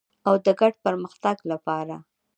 او د ګډ پرمختګ لپاره.